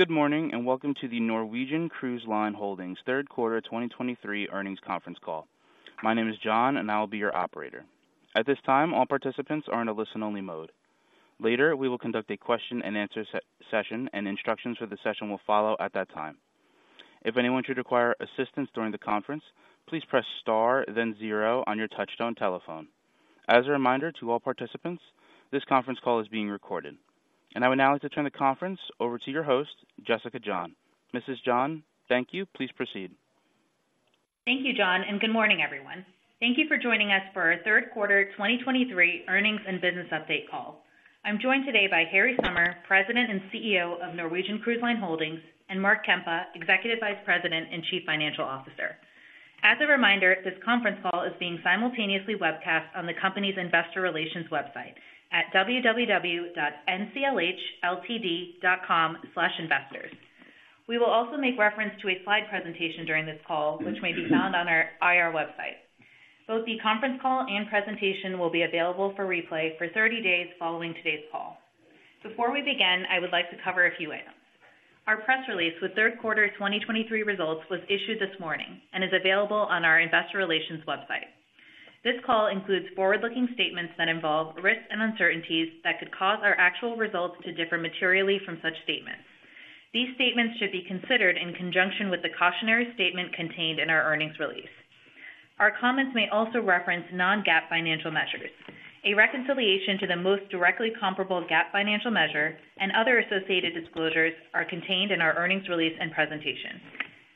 Good morning, and welcome to the Norwegian Cruise Line Holdings Q3 2023 Earnings Conference Call. My name is John, and I will be your operator. At this time, all participants are in a listen-only mode. Later, we will conduct a question-and-answer session, and instructions for the session will follow at that time. If anyone should require assistance during the conference, please press star then zero on your touchtone telephone. As a reminder to all participants, this conference call is being recorded. I would now like to turn the conference over to your host, Jessica John. Mrs. John, thank you. Please proceed. Thank you, John, and good morning, everyone. Thank you for joining us for our Q3 2023 Earnings And Business Update Call. I'm joined today by Harry Sommer, President and CEO of Norwegian Cruise Line Holdings, and Mark Kempa, Executive Vice President and Chief Financial Officer. As a reminder, this conference call is being simultaneously webcast on the company's investor relations website at www.nclhltd.com/investors. We will also make reference to a slide presentation during this call, which may be found on our IR website. Both the conference call and presentation will be available for replay for 30 days following today's call. Before we begin, I would like to cover a few items. Our press release with Q3 2023 results was issued this morning and is available on our investor relations website. This call includes forward-looking statements that involve risks and uncertainties that could cause our actual results to differ materially from such statements. These statements should be considered in conjunction with the cautionary statement contained in our earnings release. Our comments may also reference non-GAAP financial measures. A reconciliation to the most directly comparable GAAP financial measure and other associated disclosures are contained in our earnings release and presentation.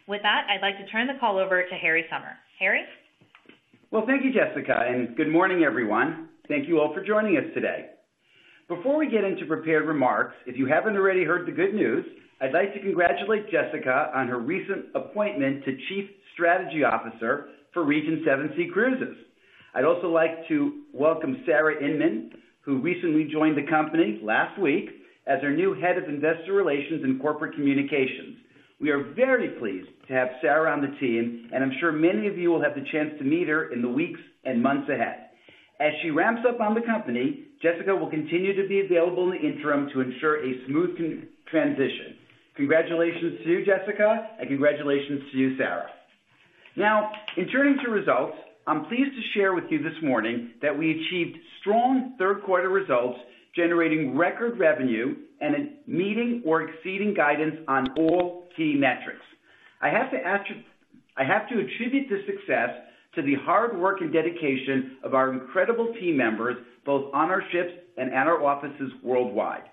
With that, I'd like to turn the call over to Harry Sommer. Harry? Well, thank you, Jessica, and good morning, everyone. Thank you all for joining us today. Before we get into prepared remarks, if you haven't already heard the good news, I'd like to congratulate Jessica on her recent appointment to Chief Strategy Officer for Regent Seven Seas Cruises. I'd also like to welcome Sarah Inmon, who recently joined the company last week as our new Head of Investor Relations and Corporate Communications. We are very pleased to have Sarah on the team, and I'm sure many of you will have the chance to meet her in the weeks and months ahead. As she ramps up on the company, Jessica will continue to be available in the interim to ensure a smooth transition. Congratulations to you, Jessica, and congratulations to you, Sarah. Now, in turning to results, I'm pleased to share with you this morning that we achieved strong Q3 results, generating record revenue and meeting or exceeding guidance on all key metrics. I have to attribute this success to the hard work and dedication of our incredible team members, both on our ships and at our offices worldwide.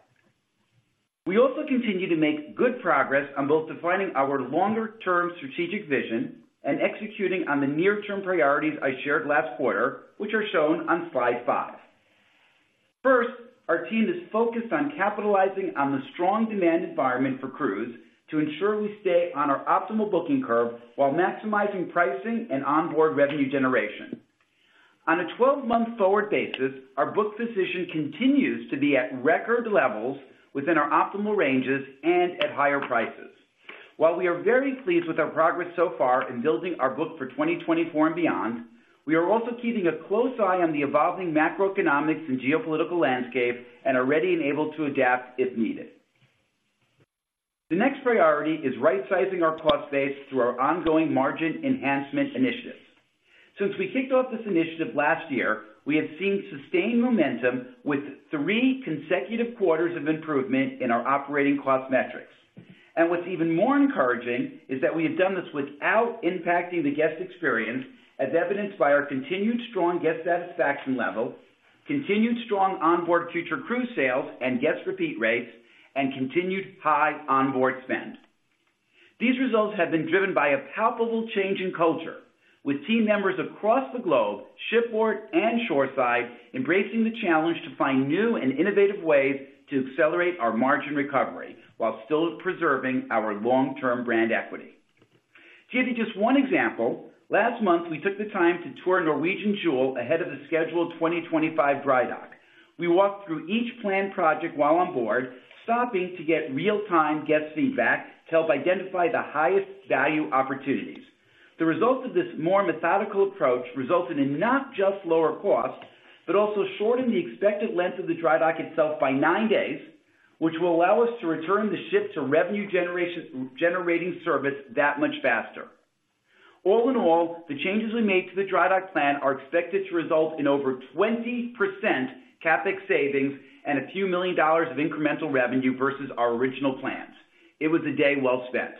We also continue to make good progress on both defining our longer-term strategic vision and executing on the near-term priorities I shared last quarter, which are shown on slide five. First, our team is focused on capitalizing on the strong demand environment for cruise to ensure we stay on our optimal booking curve while maximizing pricing and onboard revenue generation. On a 12-month forward basis, our book position continues to be at record levels within our optimal ranges and at higher prices. While we are very pleased with our progress so far in building our book for 2024 and beyond, we are also keeping a close eye on the evolving macroeconomics and geopolitical landscape and are ready and able to adapt if needed. The next priority is right-sizing our cost base through our ongoing margin enhancement initiatives. Since we kicked off this initiative last year, we have seen sustained momentum with three consecutive quarters of improvement in our operating cost metrics. What's even more encouraging is that we have done this without impacting the guest experience, as evidenced by our continued strong guest satisfaction level, continued strong onboard future cruise sales and guest repeat rates, and continued high onboard spend. These results have been driven by a palpable change in culture, with team members across the globe, shipboard and shoreside, embracing the challenge to find new and innovative ways to accelerate our margin recovery while still preserving our long-term brand equity. To give you just one example, last month, we took the time to tour Norwegian Jewel ahead of the scheduled 2025 dry dock. We walked through each planned project while on board, stopping to get real-time guest feedback to help identify the highest value opportunities. The result of this more methodical approach resulted in not just lower costs, but also shortening the expected length of the dry dock itself by 9 days, which will allow us to return the ship to revenue-generating service that much faster. All in all, the changes we made to the dry dock plan are expected to result in over 20% CapEx savings and a few million dollars of incremental revenue versus our original plans. It was a day well spent.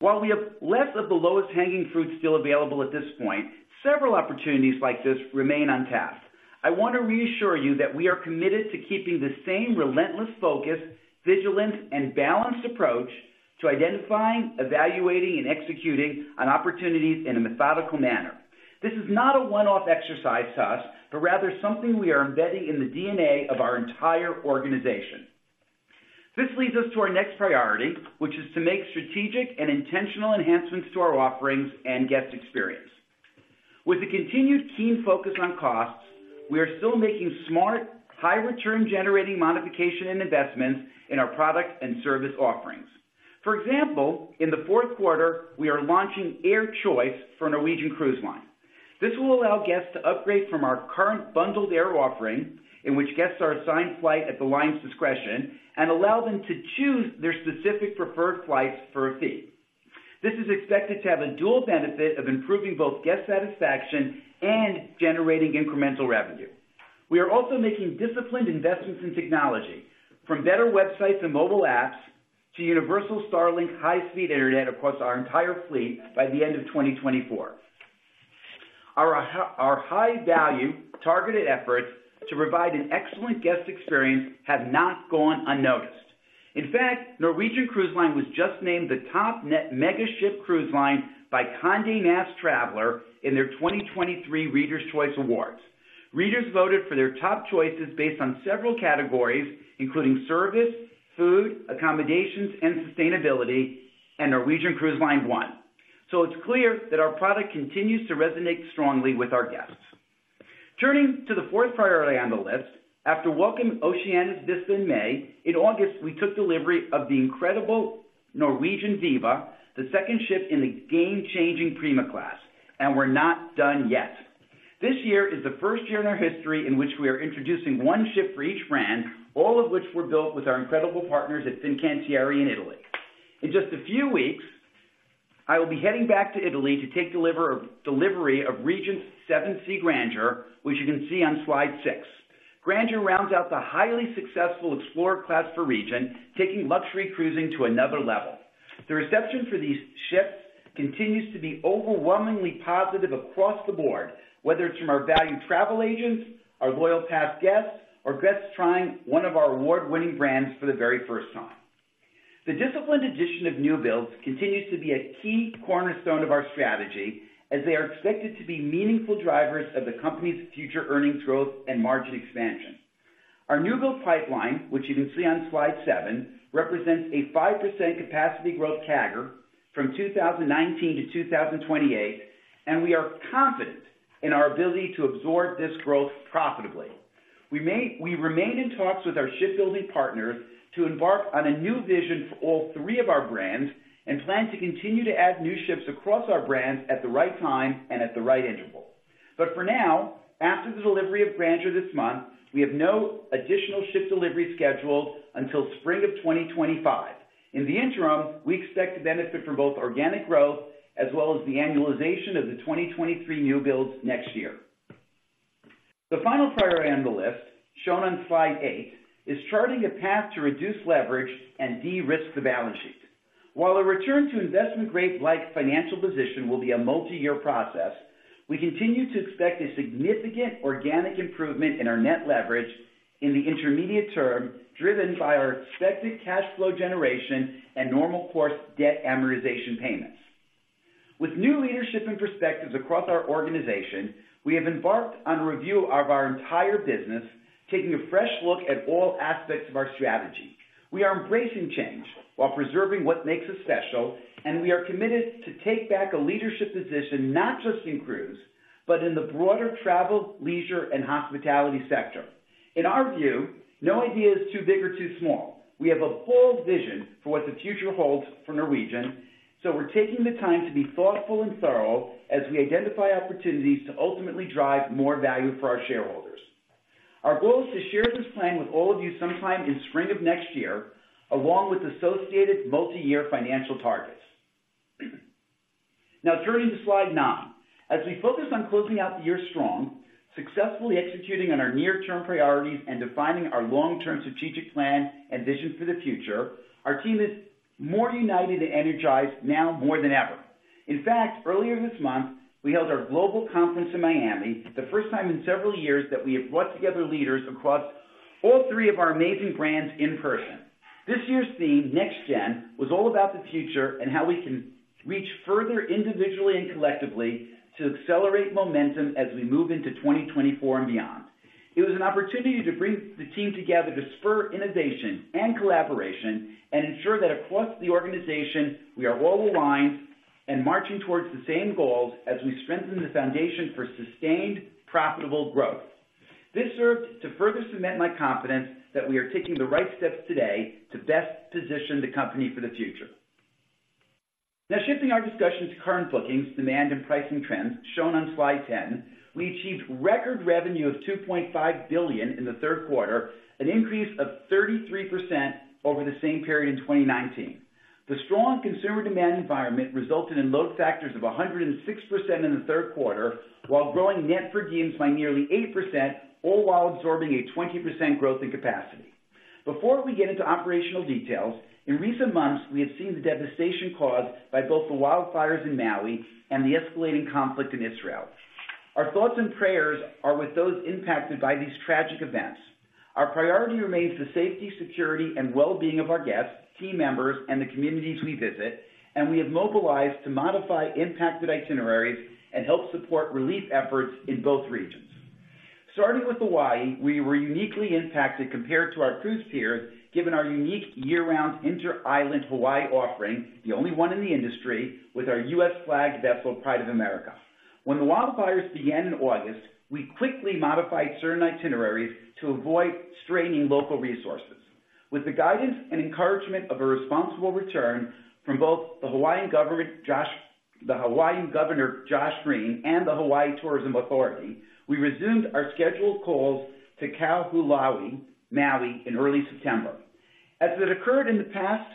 While we have less of the lowest-hanging fruit still available at this point, several opportunities like this remain untapped. I want to reassure you that we are committed to keeping the same relentless focus, vigilance, and balanced approach to identifying, evaluating, and executing on opportunities in a methodical manner. This is not a one-off exercise to us, but rather something we are embedding in the DNA of our entire organization. This leads us to our next priority, which is to make strategic and intentional enhancements to our offerings and guest experience. With a continued keen focus on costs, we are still making smart, high-return-generating modifications and investments in our product and service offerings. For example, in the Q4, we are launching Air Choice for Norwegian Cruise Line. This will allow guests to upgrade from our current bundled air offering, in which guests are assigned flights at the line's discretion, and allow them to choose their specific preferred flights for a fee. This is expected to have a dual benefit of improving both guest satisfaction and generating incremental revenue. We are also making disciplined investments in technology, from better websites and mobile apps, to universal Starlink high-speed internet across our entire fleet by the end of 2024. Our high-value targeted efforts to provide an excellent guest experience have not gone unnoticed. In fact, Norwegian Cruise Line was just named the Top Net Mega-ship Cruise Line by Condé Nast Traveler in their 2023 Readers' Choice Awards. Readers voted for their top choices based on several categories, including service, food, accommodations, and sustainability, and Norwegian Cruise Line won. So it's clear that our product continues to resonate strongly with our guests. Turning to the fourth priority on the list, after welcoming Oceania Vista in May, in August, we took delivery of the incredible Norwegian Viva, the second ship in the game-changing Prima class, and we're not done yet. This year is the first year in our history in which we are introducing one ship for each brand, all of which were built with our incredible partners at Fincantieri in Italy. In just a few weeks, I will be heading back to Italy to take delivery of Regent Seven Seas Grandeur, which you can see on slide six. Grandeur rounds out the highly successful Explorer class for Regent, taking luxury cruising to another level. The reception for these ships continues to be overwhelmingly positive across the board, whether it's from our valued travel agents, our loyal past guests, or guests trying one of our award-winning brands for the very first time. The disciplined addition of new builds continues to be a key cornerstone of our strategy, as they are expected to be meaningful drivers of the company's future earnings growth and margin expansion. Our new build pipeline, which you can see on slide seven, represents a 5% capacity growth CAGR from 2019 to 2028, and we are confident in our ability to absorb this growth profitably. We remain in talks with our shipbuilding partners to embark on a new vision for all three of our brands, and plan to continue to add new ships across our brands at the right time and at the right interval. But for now, after the delivery of Grandeur this month, we have no additional ship deliveries scheduled until spring of 2025. In the interim, we expect to benefit from both organic growth as well as the annualization of the 2023 new builds next year. The final priority on the list, shown on slide 8, is charting a path to reduce leverage and de-risk the balance sheet. While a return to investment-grade like financial position will be a multi-year process, we continue to expect a significant organic improvement in our net leverage in the intermediate term, driven by our expected cash flow generation and normal course debt amortization payments. With new leadership and perspectives across our organization, we have embarked on a review of our entire business, taking a fresh look at all aspects of our strategy. We are embracing change while preserving what makes us special, and we are committed to take back a leadership position, not just in cruise, but in the broader travel, leisure, and hospitality sector. In our view, no idea is too big or too small. We have a bold vision for what the future holds for Norwegian, so we're taking the time to be thoughtful and thorough as we identify opportunities to ultimately drive more value for our shareholders. Our goal is to share this plan with all of you sometime in spring of next year, along with associated multi-year financial targets. Now, turning to slide nine. As we focus on closing out the year strong, successfully executing on our near-term priorities, and defining our long-term strategic plan and vision for the future, our team is more united and energized now more than ever. In fact, earlier this month, we held our global conference in Miami, the first time in several years that we have brought together leaders across all three of our amazing brands in person. This year's theme, Next Gen, was all about the future and how we can reach further, individually and collectively, to accelerate momentum as we move into 2024 and beyond. It was an opportunity to bring the team together to spur innovation and collaboration and ensure that across the organization, we are all aligned and marching towards the same goals as we strengthen the foundation for sustained, profitable growth. This served to further cement my confidence that we are taking the right steps today to best position the company for the future. Now, shifting our discussion to current bookings, demand, and pricing trends, shown on slide 10, we achieved record revenue of $2.5 billion in the Q3, an increase of 33% over the same period in 2019. The strong consumer demand environment resulted in load factors of 106% in the third quarter, while growing net yields by nearly 8%, all while absorbing a 20% growth in capacity. Before we get into operational details, in recent months, we have seen the devastation caused by both the wildfires in Maui and the escalating conflict in Israel. Our thoughts and prayers are with those impacted by these tragic events. Our priority remains the safety, security, and well-being of our guests, team members, and the communities we visit, and we have mobilized to modify impacted itineraries and help support relief efforts in both regions. Starting with Hawaii, we were uniquely impacted compared to our cruise peers, given our unique year-round Inter-Island Hawaii offering, the only one in the industry, with our U.S.-flagged vessel, Pride of America. When the wildfires began in August, we quickly modified certain itineraries to avoid straining local resources. With the guidance and encouragement of a responsible return from both the Hawaiian government, Josh, the Hawaiian Governor, Josh Green, and the Hawaii Tourism Authority, we resumed our scheduled calls to Kahului, Maui, in early September. As it occurred in the past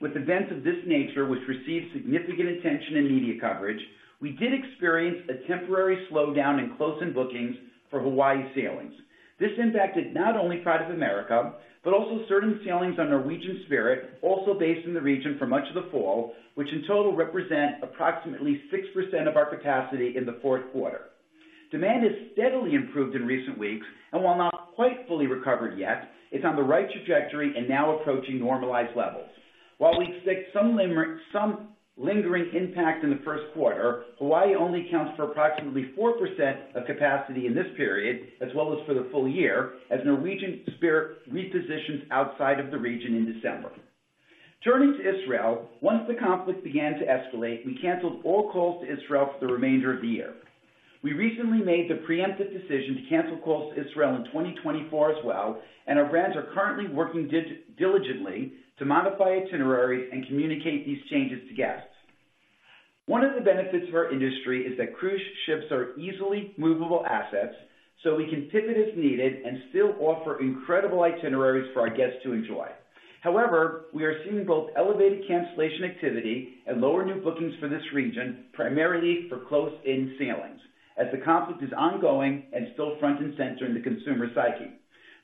with events of this nature, which received significant attention and media coverage, we did experience a temporary slowdown in close-in bookings for Hawaii sailings. This impacted not only Pride of America, but also certain sailings on Norwegian Spirit, also based in the region for much of the fall, which in total represent approximately 6% of our capacity in the fourth quarter. Demand has steadily improved in recent weeks, and while not quite fully recovered yet, it's on the right trajectory and now approaching normalized levels. While we expect some lingering impact in the Q1, Hawaii only accounts for approximately 4% of capacity in this period, as well as for the full year, as Norwegian Spirit repositions outside of the region in December. Turning to Israel, once the conflict began to escalate, we canceled all calls to Israel for the remainder of the year. We recently made the preemptive decision to cancel calls to Israel in 2024 as well, and our brands are currently working diligently to modify itineraries and communicate these changes to guests. One of the benefits of our industry is that cruise ships are easily movable assets, so we can pivot as needed and still offer incredible itineraries for our guests to enjoy. However, we are seeing both elevated cancellation activity and lower new bookings for this region, primarily for close-in sailings, as the conflict is ongoing and still front and center in the consumer psyche.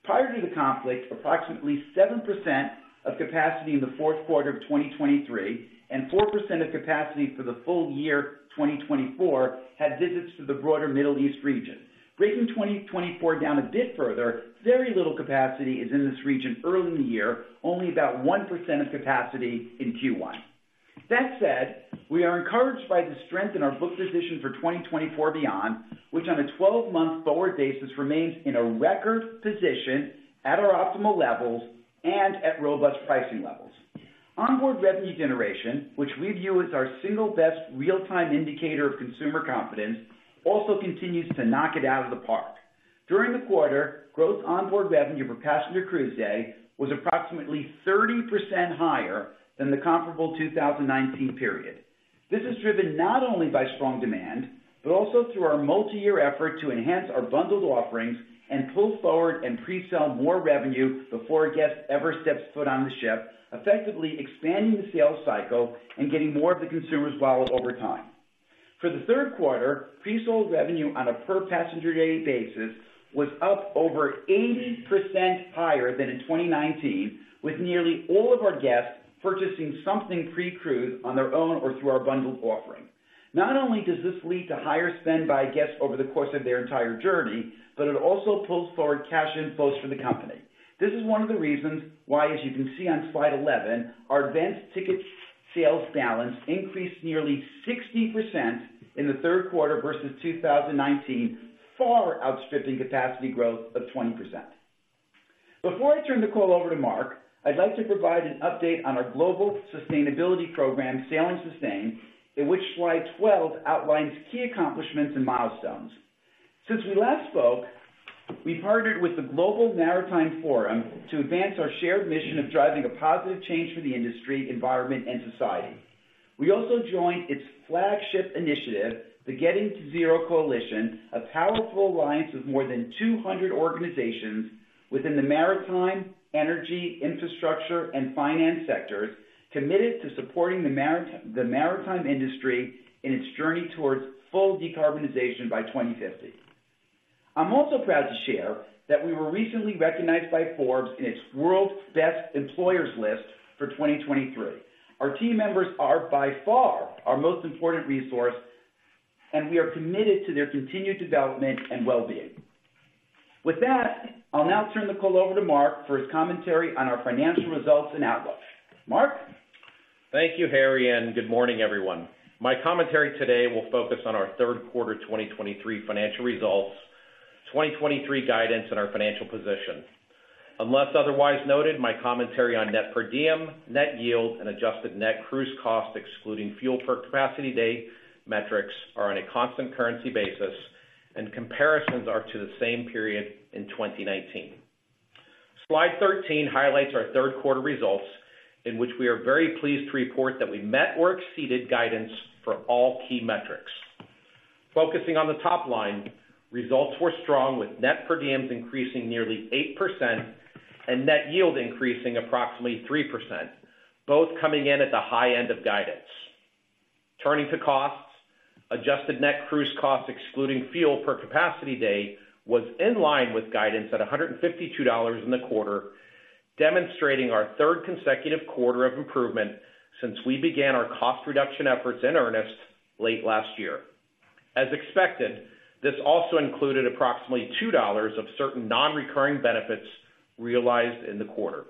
Prior to the conflict, approximately 7% of capacity in the Q4 of 2023, and 4% of capacity for the full-year, 2024, had visits to the broader Middle East region. Breaking 2024 down a bit further, very little capacity is in this region early in the year, only about 1% of capacity in Q1. That said, we are encouraged by the strength in our book position for 2024 beyond, which on a 12-month forward basis, remains in a record position at our optimal levels and at robust pricing levels. Onboard revenue generation, which we view as our single best real-time indicator of consumer confidence, also continues to knock it out of the park. During the quarter, gross onboard revenue per passenger cruise day was approximately 30% higher than the comparable 2019 period. This is driven not only by strong demand, but also through our multi-year effort to enhance our bundled offerings and pull forward and pre-sell more revenue before a guest ever steps foot on the ship, effectively expanding the sales cycle and getting more of the consumer's wallet over time. For the Q3, pre-sold revenue on a per passenger day basis was up over 80% higher than in 2019, with nearly all of our guests purchasing something pre-cruise on their own or through our bundled offering. Not only does this lead to higher spend by guests over the course of their entire journey, but it also pulls forward cash inflows for the company. This is one of the reasons why, as you can see on slide 11, our Advanced Ticket Sales balance increased nearly 60% in the Q3 versus 2019, far outstripping capacity growth of 20%. Before I turn the call over to Mark, I'd like to provide an update on our global sustainability program, Sail & Sustain, in which slide 12 outlines key accomplishments and milestones. Since we last spoke, we partnered with the Global Maritime Forum to advance our shared mission of driving a positive change for the industry, environment and society. We also joined its flagship initiative, the Getting to Zero Coalition, a powerful alliance of more than 200 organizations within the maritime, energy, infrastructure, and finance sectors, committed to supporting the maritime industry in its journey towards full decarbonization by 2050. I'm also proud to share that we were recently recognized by Forbes in its World's Best Employers List for 2023. Our team members are by far our most important resource, and we are committed to their continued development and well-being. With that, I'll now turn the call over to Mark for his commentary on our financial results and outlook. Mark? Thank you, Harry, and good morning, everyone. My commentary today will focus on our third quarter 2023 financial results, 2023 guidance and our financial position. Unless otherwise noted, my commentary on net per diem, net yield, and adjusted net cruise cost, excluding fuel per capacity day metrics, are on a constant currency basis, and comparisons are to the same period in 2019. Slide 13 highlights our third quarter results, in which we are very pleased to report that we met or exceeded guidance for all key metrics. Focusing on the top line, results were strong, with net per diems increasing nearly 8% and net yield increasing approximately 3%, both coming in at the high end of guidance. Turning to costs, adjusted net cruise costs, excluding fuel per capacity day, was in line with guidance at $152 in the quarter, demonstrating our third consecutive quarter of improvement since we began our cost reduction efforts in earnest late last year. As expected, this also included approximately $2 of certain non-recurring benefits realized in the quarter.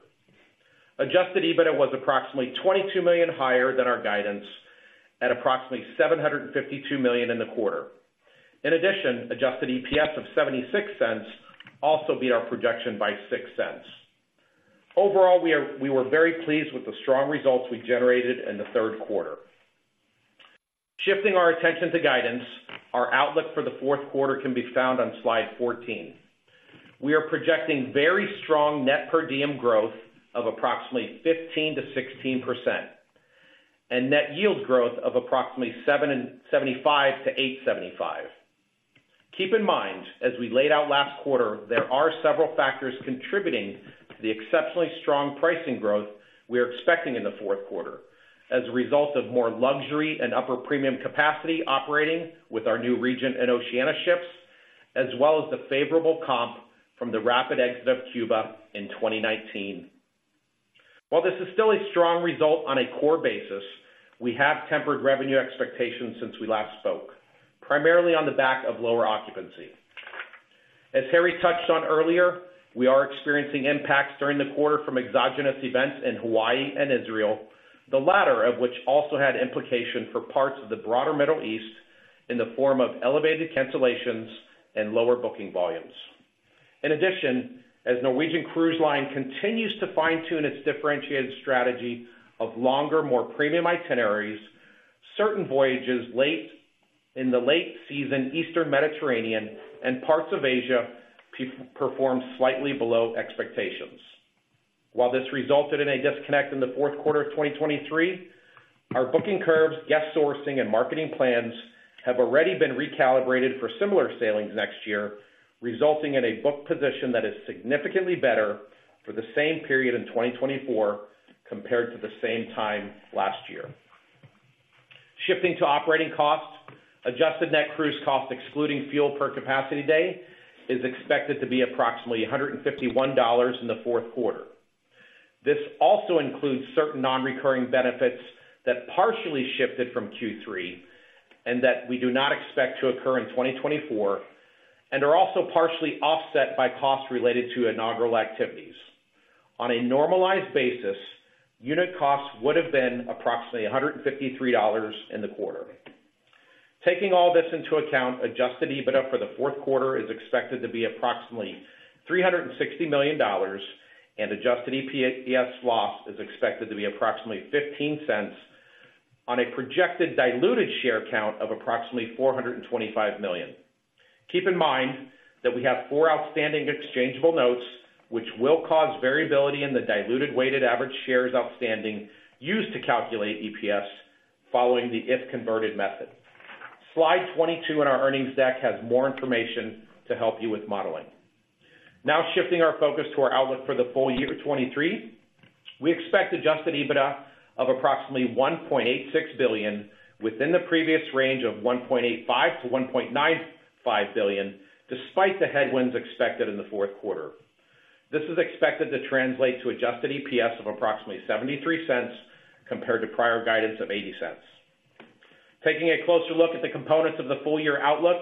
Adjusted EBITDA was approximately $22 million higher than our guidance at approximately $752 million in the quarter. In addition, adjusted EPS of $0.76 also beat our projection by $0.06. Overall, we are- we were very pleased with the strong results we generated in the third quarter. Shifting our attention to guidance, our outlook for the Q4 can be found on Slide 14. We are projecting very strong Net Per Diem growth of approximately 15%-16%, and Net Yield growth of approximately 7.75%-8.75%. Keep in mind, as we laid out last quarter, there are several factors contributing to the exceptionally strong pricing growth we are expecting in the fourth quarter as a result of more luxury and upper premium capacity operating with our new Regent and Oceania ships, as well as the favorable comp from the rapid exit of Cuba in 2019. While this is still a strong result on a core basis, we have tempered revenue expectations since we last spoke, primarily on the back of lower occupancy. As Harry touched on earlier, we are experiencing impacts during the quarter from exogenous events in Hawaii and Israel, the latter of which also had implications for parts of the broader Middle East in the form of elevated cancellations and lower booking volumes. In addition, as Norwegian Cruise Line continues to fine-tune its differentiated strategy of longer, more premium itineraries, certain voyages late in the late season, Eastern Mediterranean and parts of Asia performed slightly below expectations. While this resulted in a disconnect in the Q4 of 2023, our booking curves, guest sourcing, and marketing plans have already been recalibrated for similar sailings next year, resulting in a book position that is significantly better for the same period in 2024 compared to the same time last year. Shifting to operating costs, Adjusted Net Cruise Costs excluding fuel per capacity day is expected to be approximately $151 in the Q4. This also includes certain non-recurring benefits that partially shifted from Q3, and that we do not expect to occur in 2024, and are also partially offset by costs related to inaugural activities. On a normalized basis, unit costs would have been approximately $153 in the quarter. Taking all this into account, adjusted EBITDA for the fourth quarter is expected to be approximately $360 million, and adjusted EPS loss is expected to be approximately $0.15 on a projected diluted share count of approximately $425 million. Keep in mind that we have four outstanding exchangeable notes, which will cause variability in the diluted weighted average shares outstanding used to calculate EPS following the If Converted Method. Slide 22 in our earnings deck has more information to help you with modeling. Now, shifting our focus to our outlook for the full-year 2023, we expect adjusted EBITDA of approximately $1.86 billion within the previous range of $1.85 billion-$1.95 billion, despite the headwinds expected in the fourth quarter. This is expected to translate to adjusted EPS of approximately $0.73 compared to prior guidance of $0.80. Taking a closer look at the components of the full-year outlook,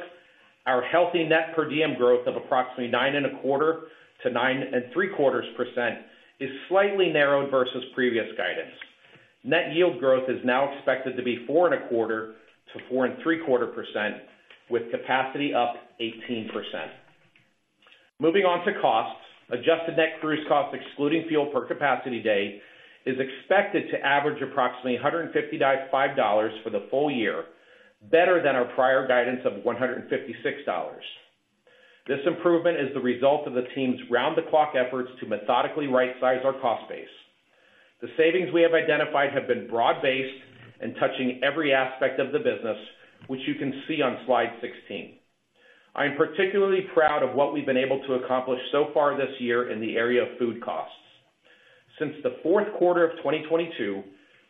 our healthy net per diem growth of approximately 9.25%-9.75% is slightly narrowed versus previous guidance. Net yield growth is now expected to be 4.25%-4.75%, with capacity up 18%. Moving on to costs, adjusted net cruise costs, excluding fuel per capacity day, is expected to average approximately $155 for the full-year, better than our prior guidance of $156. This improvement is the result of the team's round-the-clock efforts to methodically right-size our cost base. The savings we have identified have been broad-based and touching every aspect of the business, which you can see on Slide 16. I am particularly proud of what we've been able to accomplish so far this year in the area of food costs. Since the Q4 of 2022,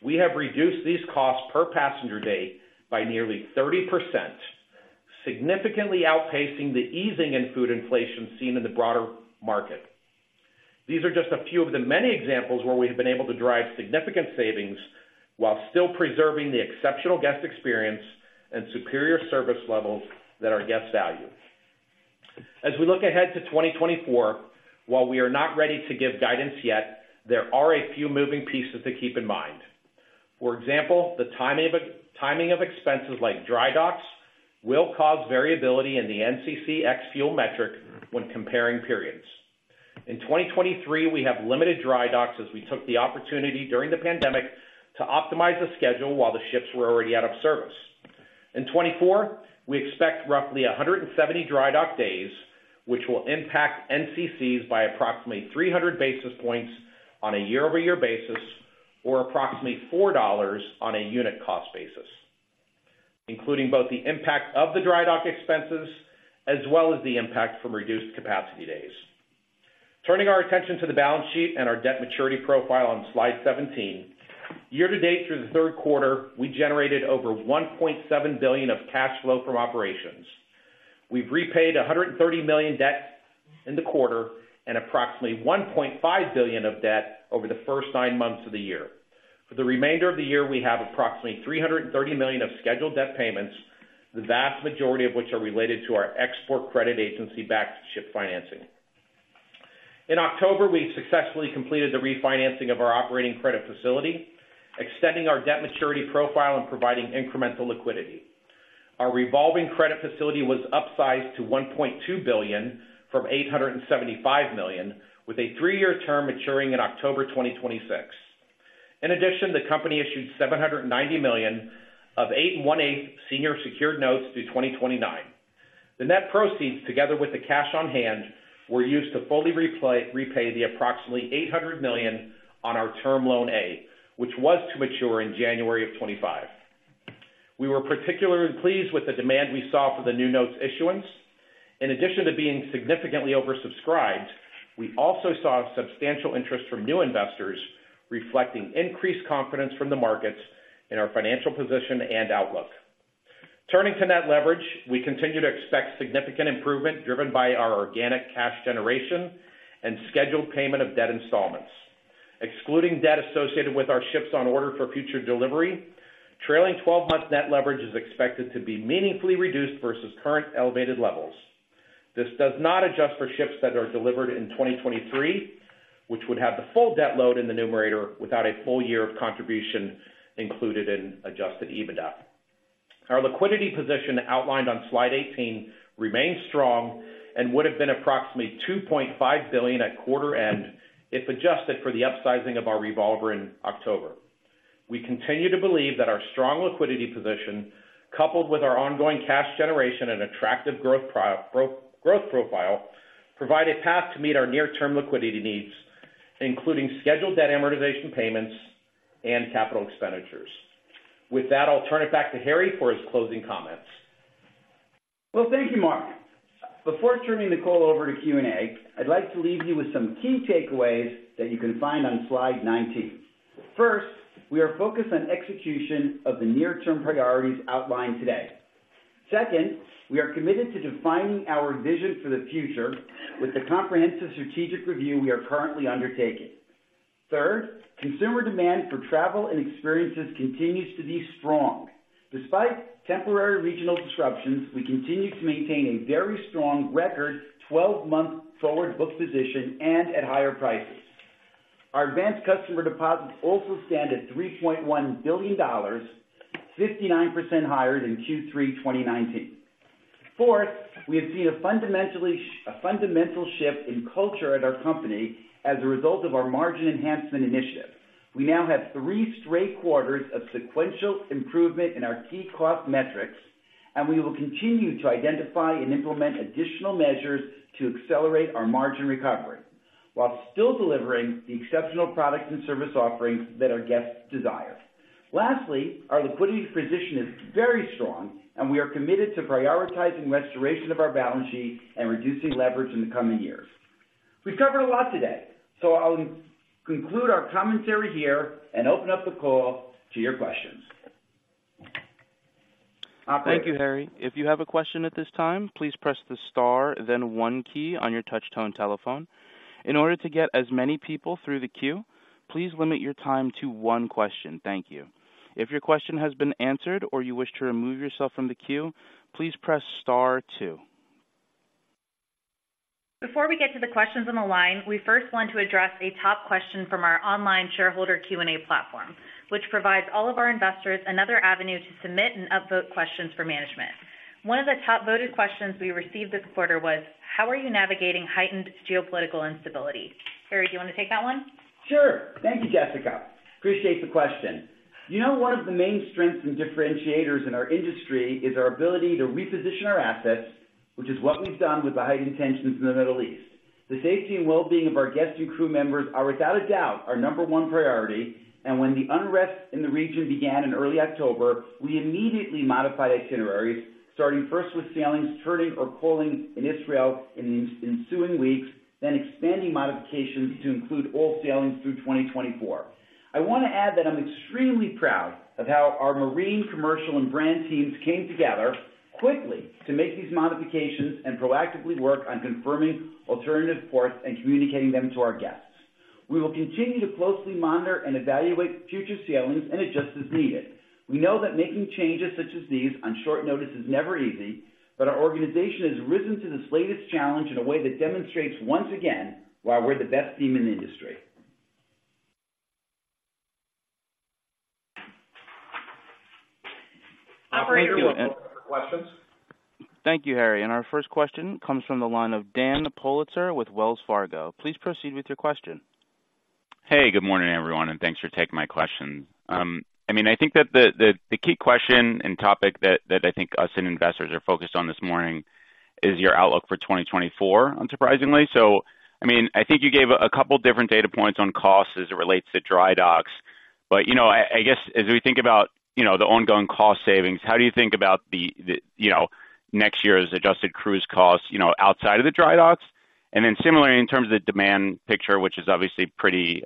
we have reduced these costs per passenger day by nearly 30%, significantly outpacing the easing in food inflation seen in the broader market. These are just a few of the many examples where we have been able to drive significant savings while still preserving the exceptional guest experience and superior service levels that our guests value. As we look ahead to 2024, while we are not ready to give guidance yet, there are a few moving pieces to keep in mind. For example, the timing of expenses like dry docks will cause variability in the NCC ex-fuel metric when comparing periods. In 2023, we have limited dry docks, as we took the opportunity during the pandemic to optimize the schedule while the ships were already out of service. In 2024, we expect roughly 170 dry dock days, which will impact NCCs by approximately 300 basis points on a year-over-year basis, or approximately $4 on a unit cost basis, including both the impact of the dry dock expenses as well as the impact from reduced capacity days. Turning our attention to the balance sheet and our debt maturity profile on Slide 17. Year-to-date through the Q3, we generated over $1.7 billion of cash flow from operations. We've repaid $130 million debt in the quarter and approximately $1.5 billion of debt over the first nine months of the year. For the remainder of the year, we have approximately $330 million of scheduled debt payments, the vast majority of which are related to our export credit agency-backed ship financing. In October, we successfully completed the refinancing of our operating credit facility, extending our debt maturity profile and providing incremental liquidity. Our revolving credit facility was upsized to $1.2 billion from $875 million, with a three year term maturing in October 2026. In addition, the company issued $790 million of 8 1/8% senior secured notes through 2029. The net proceeds, together with the cash on hand, were used to fully repay the approximately $800 million on our term loan A, which was to mature in January 2025. We were particularly pleased with the demand we saw for the new notes issuance. In addition to being significantly oversubscribed, we also saw substantial interest from new investors, reflecting increased confidence from the markets in our financial position and outlook. Turning to net leverage, we continue to expect significant improvement, driven by our organic cash generation and scheduled payment of debt installments. Excluding debt associated with our ships on order for future delivery, trailing twelve-month net leverage is expected to be meaningfully reduced versus current elevated levels. This does not adjust for ships that are delivered in 2023, which would have the full debt load in the numerator without a full-year of contribution included in Adjusted EBITDA. Our liquidity position outlined on slide 18 remains strong and would have been approximately $2.5 billion at quarter-end if adjusted for the upsizing of our revolver in October. We continue to believe that our strong liquidity position, coupled with our ongoing cash generation and attractive pro-growth profile, provide a path to meet our near-term liquidity needs, including scheduled debt amortization payments and capital expenditures. With that, I'll turn it back to Harry for his closing comments. Well, thank you, Mark. Before turning the call over to Q&A, I'd like to leave you with some key takeaways that you can find on slide 19. First, we are focused on execution of the near-term priorities outlined today. Second, we are committed to defining our vision for the future with the comprehensive strategic review we are currently undertaking. Third, consumer demand for travel and experiences continues to be strong. Despite temporary regional disruptions, we continue to maintain a very strong record 12-month forward book position and at higher prices. Our advanced customer deposits also stand at $3.1 billion, 59% higher than Q3 2019. Fourth, we have seen a fundamental shift in culture at our company as a result of our margin enhancement initiative. We now have three straight quarters of sequential improvement in our key cost metrics, and we will continue to identify and implement additional measures to accelerate our margin recovery, while still delivering the exceptional products and service offerings that our guests desire. Lastly, our liquidity position is very strong, and we are committed to prioritizing restoration of our balance sheet and reducing leverage in the coming years. We've covered a lot today, so I'll conclude our commentary here and open up the call to your questions. Operator? Thank you, Harry. If you have a question at this time, please press the star, then one key on your touchtone telephone. In order to get as many people through the queue, please limit your time to one question. Thank you. If your question has been answered or you wish to remove yourself from the queue, please press star two. Before we get to the questions on the line, we first want to address a top question from our online shareholder Q&A platform, which provides all of our investors another avenue to submit and upvote questions for management. One of the top voted questions we received this quarter was: How are you navigating heightened geopolitical instability? Harry, do you want to take that one? Sure. Thank you, Jessica. Appreciate the question. You know, one of the main strengths and differentiators in our industry is our ability to reposition our assets, which is what we've done with the heightened tensions in the Middle East. The safety and well-being of our guests and crew members are, without a doubt, our number one priority, and when the unrest in the region began in early October, we immediately modified itineraries, starting first with sailings, turning or calling in Israel in the ensuing weeks, then expanding modifications to include all sailings through 2024. I want to add that I'm extremely proud of how our marine, commercial, and brand teams came together quickly to make these modifications and proactively work on confirming alternative ports and communicating them to our guests. We will continue to closely monitor and evaluate future sailings and adjust as needed. We know that making changes such as these on short notice is never easy, but our organization has risen to this latest challenge in a way that demonstrates, once again, why we're the best team in the industry. Operator, we'll open up for questions. Thank you, Harry. Our first question comes from the line of Dan Politzer with Wells Fargo. Please proceed with your question. Hey, good morning, everyone, and thanks for taking my questions. I mean, I think that the key question and topic that I think us and investors are focused on this morning is your outlook for 2024, unsurprisingly. So, I mean, I think you gave a couple different data points on costs as it relates to dry docks. But, you know, I guess, as we think about, you know, the ongoing cost savings, how do you think about the, you know, next year's adjusted cruise costs, you know, outside of the dry docks? Then similarly, in terms of the demand picture, which is obviously pretty,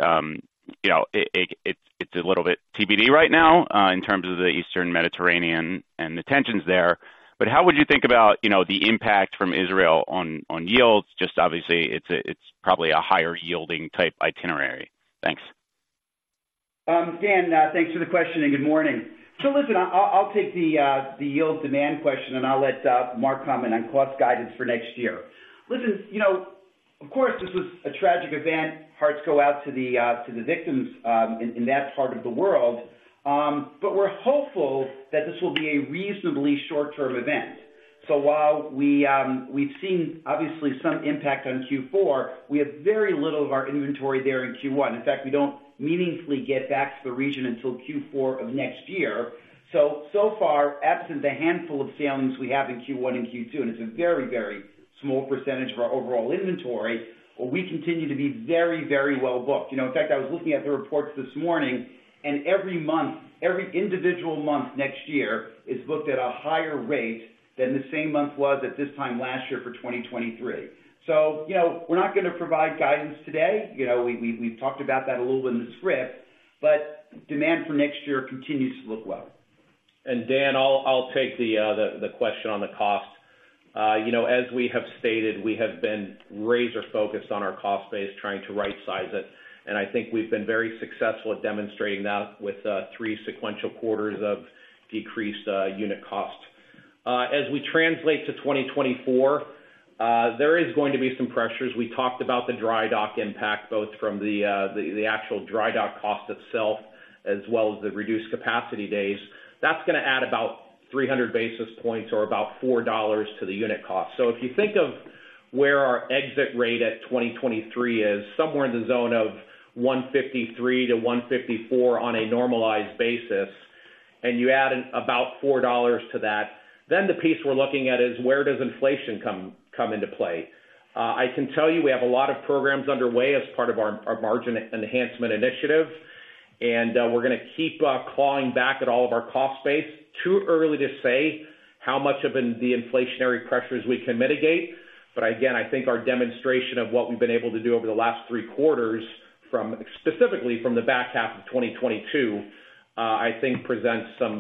you know, it's a little bit TBD right now in terms of the Eastern Mediterranean and the tensions there, but how would you think about, you know, the impact from Israel on yields? Just obviously, it's probably a higher yielding type itinerary. Thanks. Dan, thanks for the question and good morning. So listen, I'll take the yield demand question, and I'll let Mark comment on cost guidance for next year. Of course, this was a tragic event. Hearts go out to the victims in that part of the world. But we're hopeful that this will be a reasonably short-term event. So while we've seen obviously some impact on Q4, we have very little of our inventory there in Q1. In fact, we don't meaningfully get back to the region until Q4 of next year. So far, absent the handful of sailings we have in Q1 and Q2, and it's a very, very small percentage of our overall inventory, we continue to be very, very well booked. You know, in fact, I was looking at the reports this morning, and every month, every individual month next year is booked at a higher rate than the same month was at this time last year for 2023. So, you know, we're not going to provide guidance today. You know, we've talked about that a little bit in the script, but demand for next year continues to look well. And Dan, I'll take the question on the cost. You know, as we have stated, we have been razor focused on our cost base, trying to rightsize it, and I think we've been very successful at demonstrating that with three sequential quarters of decreased unit cost. As we translate to 2024, there is going to be some pressures. We talked about the dry dock impact, both from the actual dry dock cost itself, as well as the reduced capacity days. That's going to add about 300 basis points or about $4 to the unit cost. So if you think of where our exit rate at 2023 is, somewhere in the zone of 153-154 on a normalized basis, and you add in about $4 to that, then the piece we're looking at is where does inflation come into play? I can tell you, we have a lot of programs underway as part of our margin enhancement initiative, and we're going to keep clawing back at all of our cost base. Too early to say how much of the inflationary pressures we can mitigate, but again, I think our demonstration of what we've been able to do over the last three quarters, specifically from the back half of 2022, I think presents some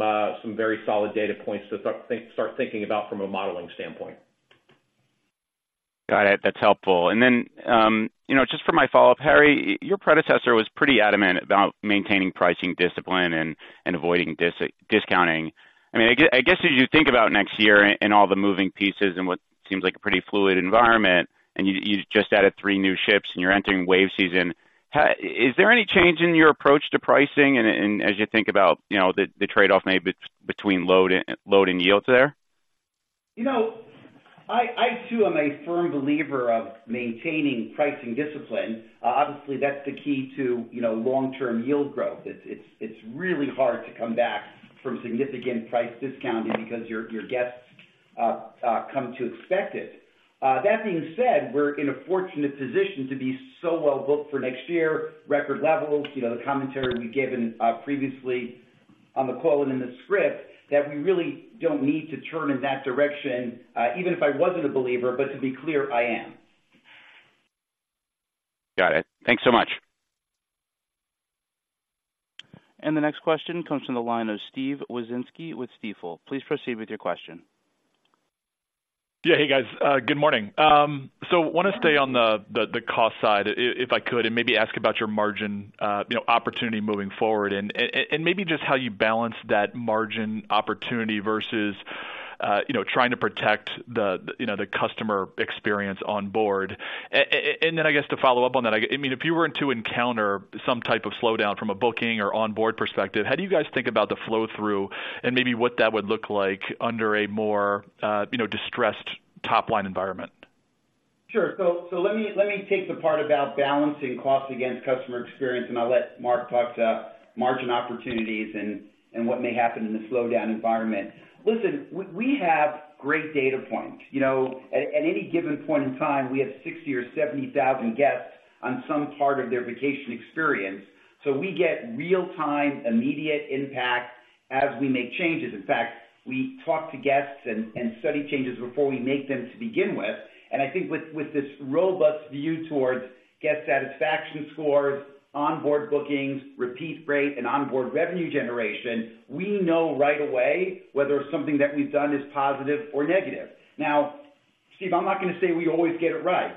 very solid data points to start thinking about from a modeling standpoint. Got it. That's helpful. And then, you know, just for my follow-up, Harry, your predecessor was pretty adamant about maintaining pricing discipline and avoiding discounting. I mean, I guess, as you think about next year and all the moving pieces and what seems like a pretty fluid environment, and you just added three new ships and you're entering Wave Season, is there any change in your approach to pricing and, as you think about, you know, the trade-off maybe between load and yields there? You know, I too am a firm believer of maintaining pricing discipline. Obviously, that's the key to, you know, long-term yield growth. It's really hard to come back from significant price discounting because your guests come to expect it. That being said, we're in a fortunate position to be so well booked for next year, record levels, you know, the commentary we've given previously on the call and in the script, that we really don't need to turn in that direction, even if I wasn't a believer, but to be clear, I am. Got it. Thanks so much. The next question comes from the line of Steve Wieczynski with Stifel. Please proceed with your question. Yeah. Hey, guys, good morning. So want to stay on the cost side, if I could, and maybe ask about your margin, you know, opportunity moving forward, and and maybe just how you balance that margin opportunity versus, you know, trying to protect the, you know, the customer experience on board. And then, I guess, to follow up on that, I mean, if you were to encounter some type of slowdown from a booking or onboard perspective, how do you guys think about the flow-through and maybe what that would look like under a more, you know, distressed top-line environment? Sure. So, so let me, let me take the part about balancing cost against customer experience, and I'll let Mark talk to margin opportunities and, and what may happen in the slowdown environment. Listen, we, we have great data points. You know, at, at any given point in time, we have 60,000 or 70,000 guests on some part of their vacation experience, so we get real-time, immediate impact as we make changes. In fact, we talk to guests and, and study changes before we make them to begin with. And I think with, with this robust view towards guest satisfaction scores, onboard bookings, repeat rate, and onboard revenue generation, we know right away whether something that we've done is positive or negative. Now, Steve, I'm not going to say we always get it right,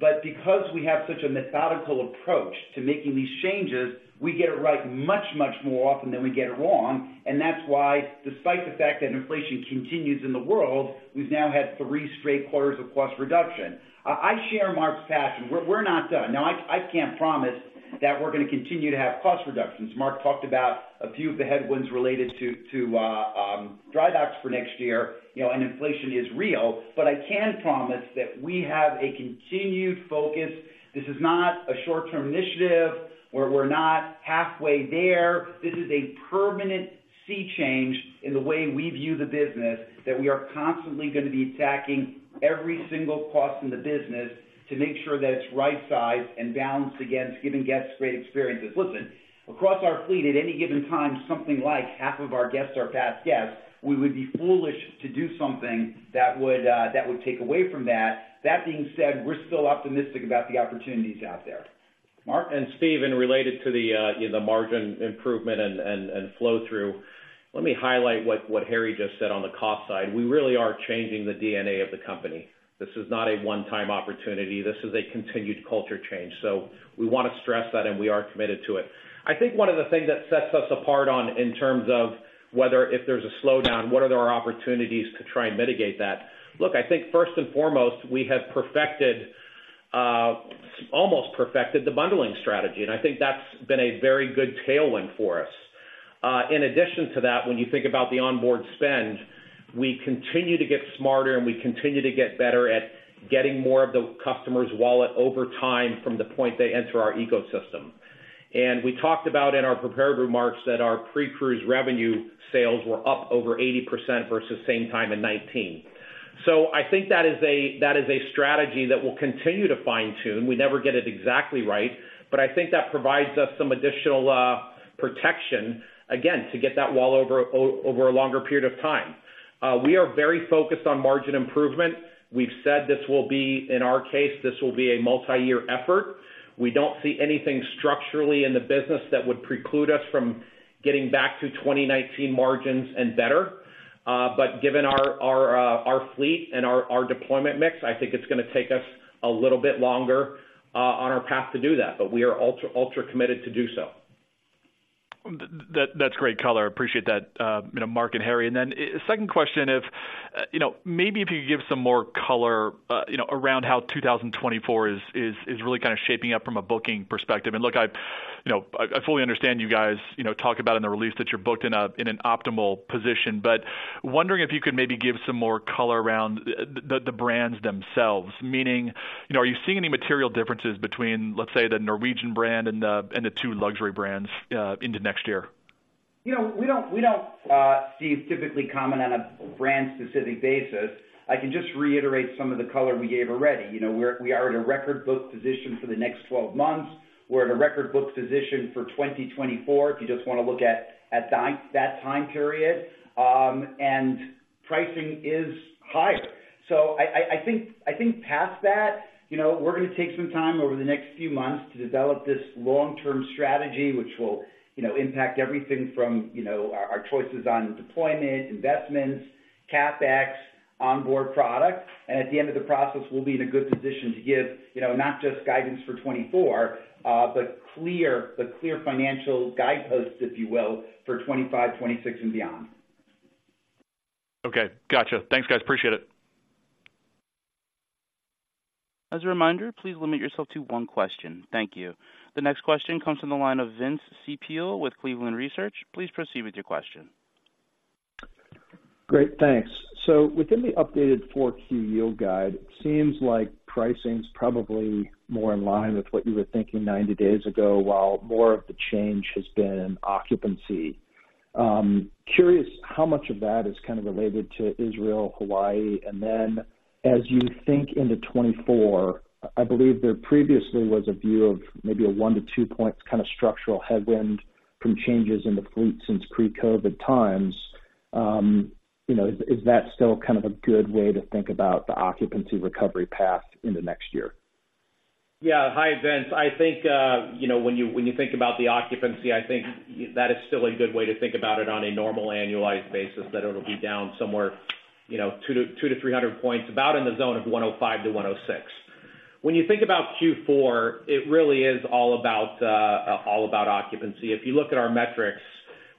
but because we have such a methodical approach to making these changes, we get it right much, much more often than we get it wrong, and that's why, despite the fact that inflation continues in the world, we've now had three straight quarters of cost reduction. I share Mark's passion. We're not done. Now, I can't promise that we're going to continue to have cost reductions. Mark talked about a few of the headwinds related to dry docks for next year, you know, and inflation is real, but I can promise that we have a continued focus. This is not a short-term initiative, we're not halfway there. This is a permanent sea change in the way we view the business, that we are constantly going to be attacking every single cost in the business to make sure that it's right-sized and balanced against giving guests great experiences. Listen, across our fleet, at any given time, something like half of our guests are past guests. We would be foolish to do something that would, that would take away from that. That being said, we're still optimistic about the opportunities out there. Mark? And Steve, related to the, you know, the margin improvement and flow-through, let me highlight what Harry just said on the cost side. We really are changing the DNA of the company. This is not a one-time opportunity. This is a continued culture change. So we want to stress that, and we are committed to it. I think one of the things that sets us apart, in terms of whether if there's a slowdown, what are our opportunities to try and mitigate that? Look, I think first and foremost, we have almost perfected the bundling strategy, and I think that's been a very good tailwind for us. In addition to that, when you think about the onboard spend, we continue to get smarter, and we continue to get better at getting more of the customer's wallet over time from the point they enter our ecosystem. And we talked about in our prepared remarks that our pre-cruise revenue sales were up over 80% versus same time in 2019. So I think that is a, that is a strategy that we'll continue to fine-tune. We never get it exactly right, but I think that provides us some additional protection, again, to get that wallet over a longer period of time. We are very focused on margin improvement. We've said this will be, in our case, this will be a multiyear effort. We don't see anything structurally in the business that would preclude us from getting back to 2019 margins and better. But given our fleet and our deployment mix, I think it's gonna take us a little bit longer on our path to do that, but we are ultra, ultra committed to do so. That's great color. I appreciate that, you know, Mark and Harry. And then second question, if, you know, maybe if you could give some more color, you know, around how 2024 is really kind of shaping up from a booking perspective. And look, I, you know, I fully understand you guys, you know, talk about in the release that you're booked in an optimal position. But wondering if you could maybe give some more color around the brands themselves. Meaning, you know, are you seeing any material differences between, let's say, the Norwegian brand and the two luxury brands into next year? You know, we don't, we don't, Steve, typically comment on a brand-specific basis. I can just reiterate some of the color we gave already. You know, we are at a record book position for the next 12 months. We're at a record book position for 2024, if you just want to look at, at that, that time period. And pricing is higher. So I think past that, you know, we're gonna take some time over the next few months to develop this long-term strategy, which will, you know, impact everything from, you know, our, our choices on deployment, investments, CapEx, onboard product. And at the end of the process, we'll be in a good position to give, you know, not just guidance for 2024, but clear financial guideposts, if you will, for 2025, 2026 and beyond. Okay, gotcha. Thanks, guys. Appreciate it. As a reminder, please limit yourself to one question. Thank you. The next question comes from the line of Vince Ciepiel with Cleveland Research. Please proceed with your question. Great, thanks. So within the updated Q4 yield guide, it seems like pricing is probably more in line with what you were thinking 90 days ago, while more of the change has been in occupancy. Curious how much of that is kind of related to Israel, Hawaii? And then, as you think into 2024, I believe there previously was a view of maybe a one to two points kind of structural headwind from changes in the fleet since pre-COVID times. You know, is, is that still kind of a good way to think about the occupancy recovery path in the next year? Yeah. Hi, Vince. I think, you know, when you, when you think about the occupancy, I think that is still a good way to think about it on a normal annualized basis, that it'll be down somewhere, you know, 200-300 points, about in the zone of 105-106. When you think about Q4, it really is all about, all about occupancy. If you look at our metrics,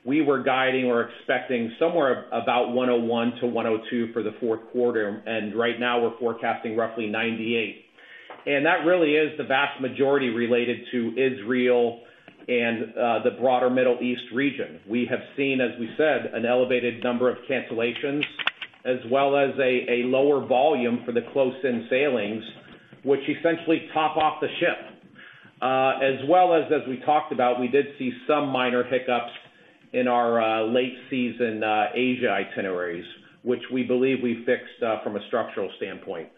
we were guiding or expecting somewhere about 101-102 for the fourth quarter, and right now we're forecasting roughly 98. And that really is the vast majority related to Israel and, the broader Middle East region. We have seen, as we said, an elevated number of cancellations, as well as a lower volume for the close-in sailings, which essentially top off the ship. As well as, as we talked about, we did see some minor hiccups in our late season Asia itineraries, which we believe we fixed from a structural standpoint.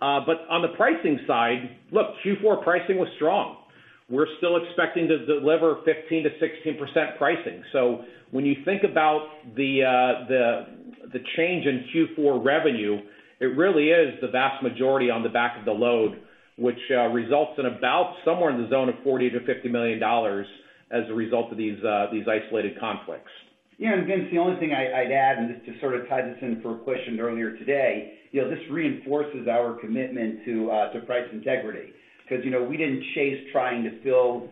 But on the pricing side, look, Q4 pricing was strong. We're still expecting to deliver 15%-16% pricing. So when you think about the change in Q4 revenue, it really is the vast majority on the back of the load, which results in about somewhere in the zone of $40 million-$50 million as a result of these isolated conflicts. Yeah, and Vince, the only thing I'd, I'd add, and just to sort of tie this in for a question earlier today, you know, this reinforces our commitment to price integrity. Because, you know, we didn't chase trying to fill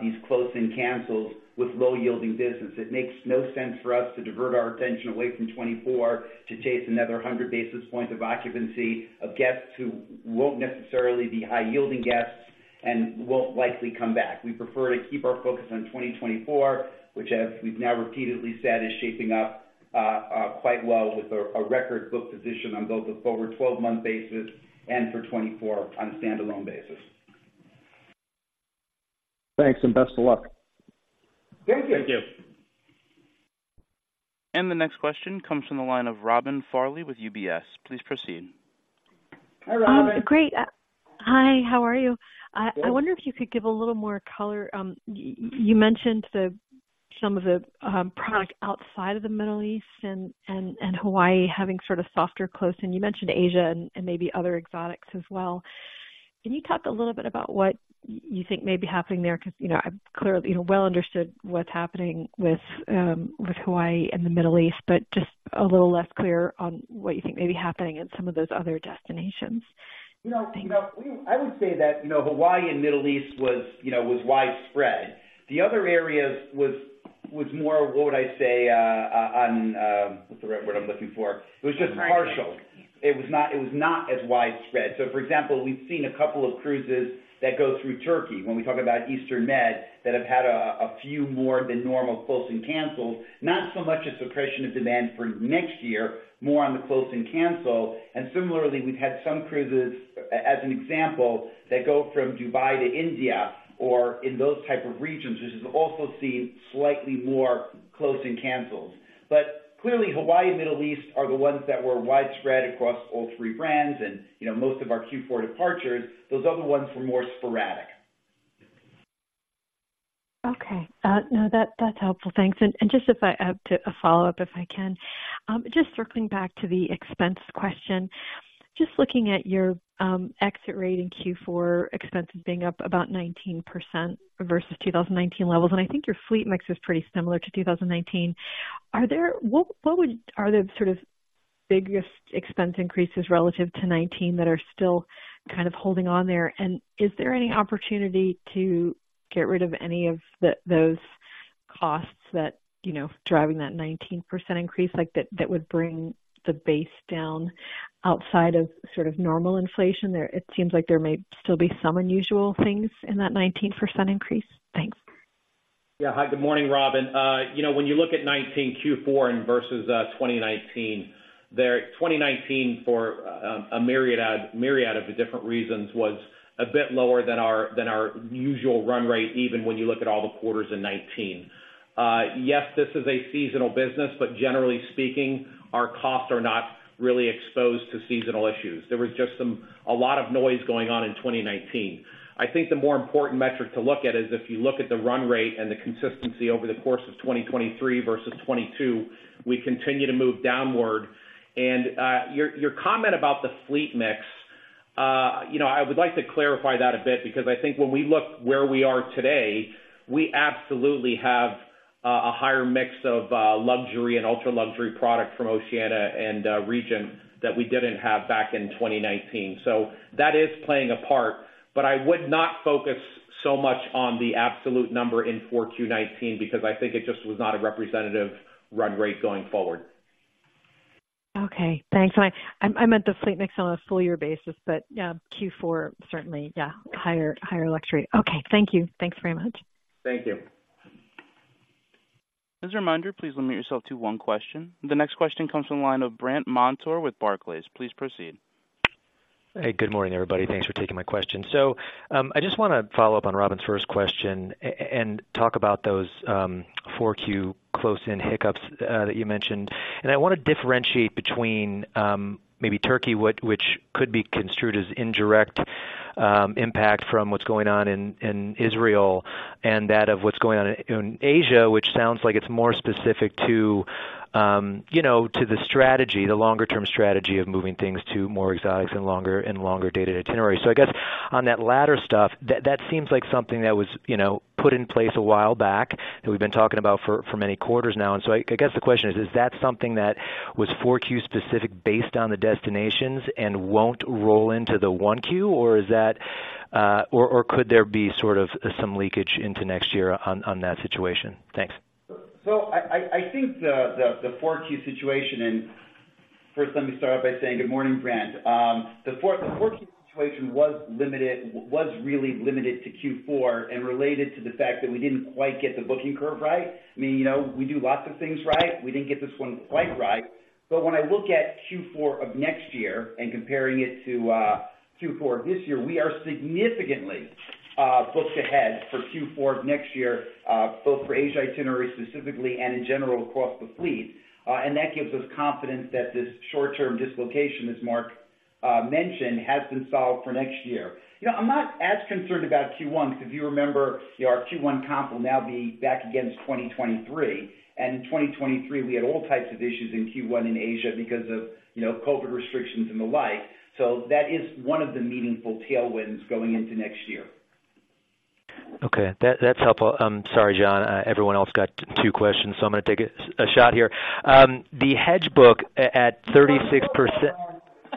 these close-in cancels with low-yielding business. It makes no sense for us to divert our attention away from 2024 to chase another 100 basis points of occupancy of guests who won't necessarily be high-yielding guests and won't likely come back. We prefer to keep our focus on 2024, which, as we've now repeatedly said, is shaping up quite well with a record book position on both a forward 12-month basis and for 2024 on a standalone basis. Thanks, and best of luck. Thank you. Thank you. The next question comes from the line of Robin Farley with UBS. Please proceed. Hi, Robin. Great. Hi, how are you? Good. I wonder if you could give a little more color. You mentioned some of the product outside of the Middle East and Hawaii having sort of softer close, and you mentioned Asia and maybe other exotics as well. Can you talk a little bit about what you think may be happening there? Because, you know, I've clearly, you know, well understood what's happening with Hawaii and the Middle East, but just a little less clear on what you think may be happening in some of those other destinations. You know, you know, we—I would say that, you know, Hawaii and Middle East was, you know, was widespread. The other areas was more, what would I say, what's the right word I'm looking for? It was just partial. It was not, it was not as widespread. So for example, we've seen a couple of cruises that go through Turkey when we talk about Eastern Med, that have had a few more than normal close and cancels. Not so much a suppression of demand for next year, more on the close and cancel. And similarly, we've had some cruises, as an example, that go from Dubai to India or in those type of regions, which has also seen slightly more close and cancels. Clearly, Hawaii, Middle East are the ones that were widespread across all three brands and, you know, most of our Q4 departures, those other ones were more sporadic. Okay, no, that, that's helpful. Thanks. And just if I to a follow-up, if I can. Just circling back to the expense question. Just looking at your exit rate in Q4, expenses being up about 19% versus 2019 levels, and I think your fleet mix is pretty similar to 2019. Are there the sort of biggest expense increases relative to 2019 that are still kind of holding on there? And is there any opportunity to get rid of any of the, those costs that, you know, driving that 19% increase, like, that, that would bring the base down outside of sort of normal inflation there? It seems like there may still be some unusual things in that 19% increase. Thanks. Yeah. Hi, good morning, Robin. You know, when you look at 2019 Q4 and versus 2019, there, 2019 for a myriad of different reasons, was a bit lower than our, than our usual run rate, even when you look at all the quarters in 2019. Yes, this is a seasonal business, but generally speaking, our costs are not really exposed to seasonal issues. There was just some, a lot of noise going on in 2019. I think the more important metric to look at is if you look at the run rate and the consistency over the course of 2023 versus 2022, we continue to move downward. And, your, your comment about the fleet mix, you know, I would like to clarify that a bit, because I think when we look where we are today, we absolutely have a higher mix of luxury and ultra-luxury product from Oceania and Regent that we didn't have back in 2019. So that is playing a part, but I would not focus so much on the absolute number in 4Q 2019 because I think it just was not a representative run rate going forward. Okay, thanks. I meant the fleet mix on a full-year basis, but yeah, Q4, certainly, yeah, higher, higher luxury. Okay, thank you. Thanks very much. Thank you. As a reminder, please limit yourself to one question. The next question comes from the line of Brandt Montour with Barclays. Please proceed. Hey, good morning, everybody. Thanks for taking my question. So, I just want to follow up on Robin's first question and talk about those, 4Q close-in hiccups, that you mentioned. And I want to differentiate between, maybe Turkey, which, which could be construed as indirect, impact from what's going on in, in Israel, and that of what's going on in, in Asia, which sounds like it's more specific to, you know, to the strategy, the longer-term strategy of moving things to more exotics and longer and longer dated itineraries. So I guess on that latter stuff, that, that seems like something that was, you know, put in place a while back, and we've been talking about for, for many quarters now. So I guess the question is: Is that something that was 4Q-specific based on the destinations and won't roll into the 1Q? Or is that, or could there be sort of some leakage into next year on that situation? Thanks. So I think the 4Q situation and first, let me start off by saying good morning, Brandt. The four Q situation was limited, was really limited to Q4 and related to the fact that we didn't quite get the booking curve right. I mean, you know, we do lots of things right. We didn't get this one quite right. But when I look at Q4 of next year and comparing it to Q4 of this year, we are significantly booked ahead for Q4 of next year, both for Asia itinerary specifically and in general across the fleet. And that gives us confidence that this short-term dislocation, as Mark mentioned, has been solved for next year. You know, I'm not as concerned about Q1, because if you remember, our Q1 comp will now be back against 2023, and in 2023, we had all types of issues in Q1 in Asia because of, you know, COVID restrictions and the like. So that is one of the meaningful tailwinds going into next year. Okay, that's helpful. I'm sorry, John. Everyone else got two questions, so I'm going to take a shot here. The hedge book at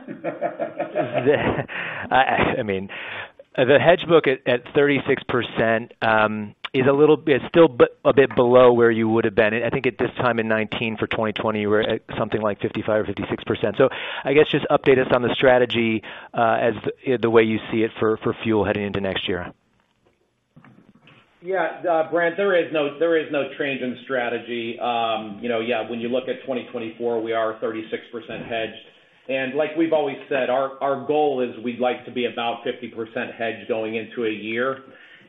36%—I mean, the hedge book at 36%, is a little bit still a bit below where you would have been. I think at this time in 2019 for 2020, we're at something like 55% or 56%. So I guess just update us on the strategy as the way you see it for fuel heading into next year. Yeah, Brandt, there is no, there is no change in strategy. You know, yeah, when you look at 2024, we are 36% hedged. And like we've always said, our goal is we'd like to be about 50% hedged going into a year.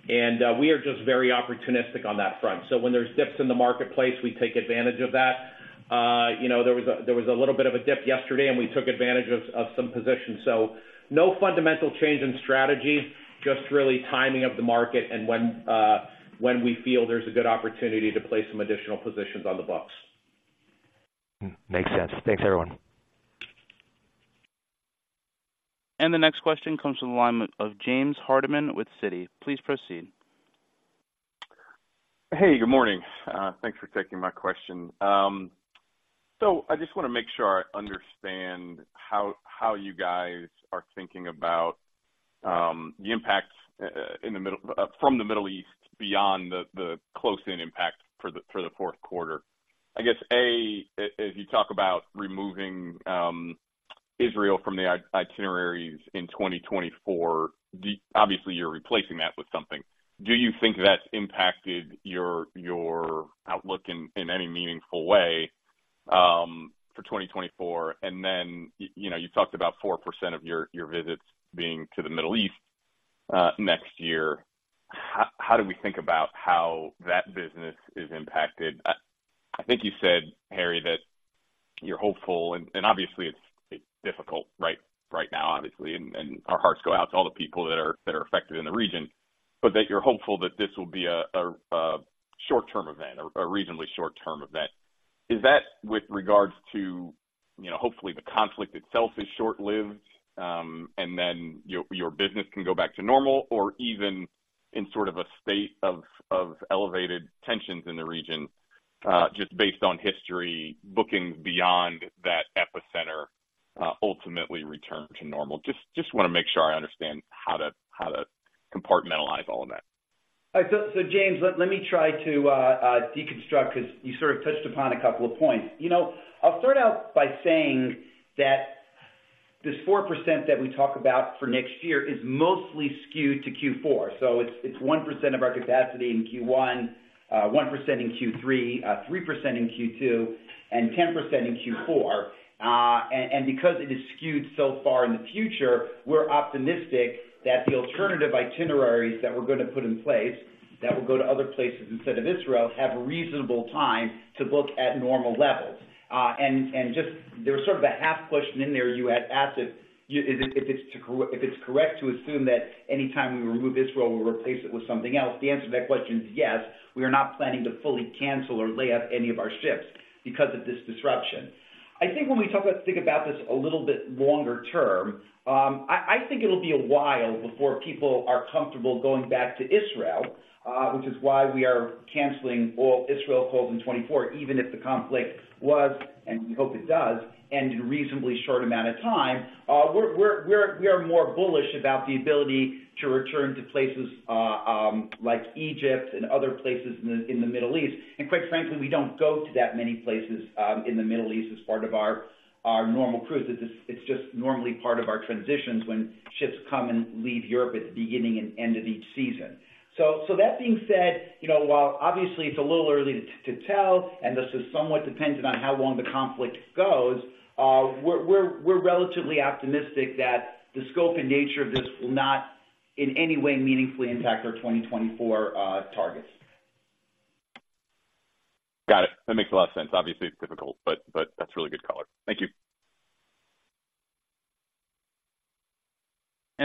And we are just very opportunistic on that front. So when there's dips in the marketplace, we take advantage of that. You know, there was a little bit of a dip yesterday, and we took advantage of some positions. So no fundamental change in strategy, just really timing of the market and when we feel there's a good opportunity to place some additional positions on the books. Makes sense. Thanks, everyone. The next question comes from the line of James Hardiman with Citi. Please proceed. Hey, good morning. Thanks for taking my question. So I just want to make sure I understand how, how you guys are thinking about, the impacts from the Middle East beyond the, the close-in impact for the, for the Q4. I guess, A, as you talk about removing, Israel from the itineraries in 2024, obviously, you're replacing that with something. Do you think that's impacted your, your outlook in, in any meaningful way, for 2024? And then, you know, you talked about 4% of your, your visits being to the Middle East, next year. How do we think about how that business is impacted? I think you said, Harry, that you're hopeful, and obviously it's difficult right now, obviously, and our hearts go out to all the people that are affected in the region. But that you're hopeful that this will be a short-term event or a reasonably short-term event. Is that with regards to, you know, hopefully, the conflict itself is short-lived, and then your business can go back to normal, or even in sort of a state of elevated tensions in the region, just based on history, bookings beyond that epicenter ultimately return to normal? Just want to make sure I understand how to compartmentalize all of that. All right. So James, let me try to deconstruct, because you sort of touched upon a couple of points. You know, I'll start out by saying that this 4% that we talk about for next year is mostly skewed to Q4. So it's 1% of our capacity in Q1, 1% in Q3, 3% in Q2, and 10% in Q4. And because it is skewed so far in the future, we're optimistic that the alternative itineraries that we're going to put in place, that will go to other places instead of Israel, have reasonable time to book at normal levels. And just there was sort of a half question in there. You had asked if it's correct to assume that any time we remove Israel, we'll replace it with something else. The answer to that question is yes. We are not planning to fully cancel or lay up any of our ships because of this disruption. I think when we think about this a little bit longer term, I think it'll be a while before people are comfortable going back to Israel, which is why we are canceling all Israel calls in 2024, even if the conflict was, and we hope it does, end in a reasonably short amount of time. We are more bullish about the ability to return to places like Egypt and other places in the Middle East. And quite frankly, we don't go to that many places in the Middle East as part of our normal cruise. It's just normally part of our transitions when ships come and leave Europe at the beginning and end of each season. So that being said, you know, while obviously it's a little early to tell, and this is somewhat dependent on how long the conflict goes, we're relatively optimistic that the scope and nature of this will not in any way meaningfully impact our 2024 targets. Got it. That makes a lot of sense. Obviously, it's difficult, but that's really good color. Thank you.